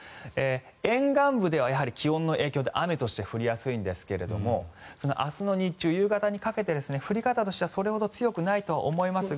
沿岸部では気温の影響で雨として降りやすいんですがその明日の日中、夕方にかけて降り方としてはそれほど強くないとは思いますが。